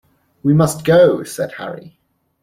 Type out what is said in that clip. "We must go," said Harry.